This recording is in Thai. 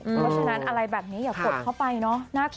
เพราะฉะนั้นอะไรแบบนี้อย่ากดเข้าไปเนอะ